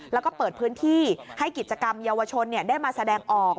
แล้วก็เปิดพื้นที่ให้กิจกรรมเยาวชนได้มาแสดงออก